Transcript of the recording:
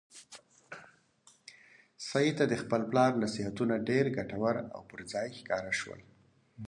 سعید ته د خپل پلار نصیحتونه ډېر ګټور او پر ځای ښکاره شول.